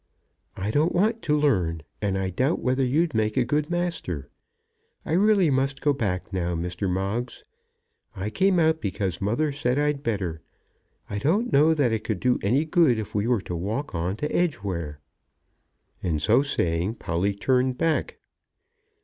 "I don't want to learn, and I doubt whether you'd make a good master. I really must go back now, Mr. Moggs. I came out because mother said I'd better. I don't know that it could do any good if we were to walk on to Edgeware." And so saying, Polly turned back.